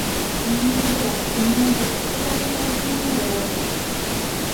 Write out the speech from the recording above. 人間とは、微妙で、複雑な生き物である。